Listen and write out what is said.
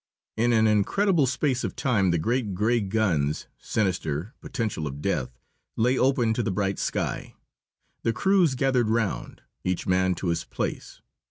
In an incredible space of time the great grey guns, sinister, potential of death, lay open to the bright sky. The crews gathered round, each man to his place.